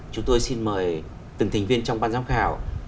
chúng tôi xin mời từng thành viên trong ban giám khảo